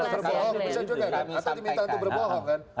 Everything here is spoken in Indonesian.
atau diminta untuk berbohong kan